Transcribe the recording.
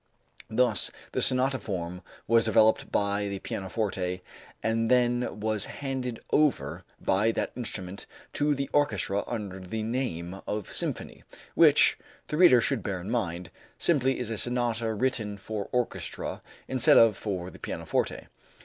Thus the sonata form was developed by the pianoforte and then was handed over by that instrument to the orchestra under the name of symphony, which, the reader should bear in mind, simply is a sonata written for orchestra instead of for the pianoforte.